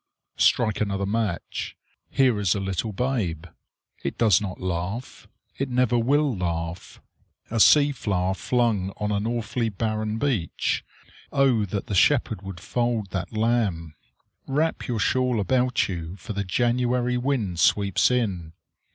Strike another match. Here is a little babe. It does not laugh. It never will laugh. A sea flower flung on an awfully barren beach: O that the Shepherd would fold that lamb! Wrap your shawl about you, for the January wind sweeps in.